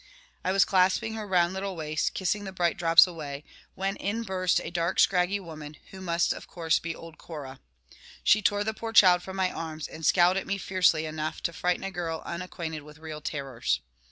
I was clasping her round little waist, and kissing the bright drops away, when in burst a dark, scraggy woman, who must, of course, be old Cora. She tore the poor child from my arms, and scowled at me fiercely enough to frighten a girl unacquainted with real terrors.